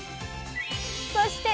そして！